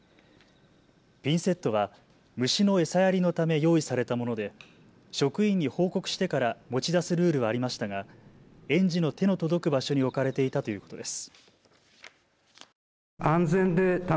ピンセットは虫の餌やりのため用意されたもので職員に報告してから持ち出すルールはありましたが園児の手の届く場所に置かれていたということです。